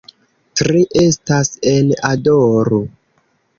Tri estas en "Adoru".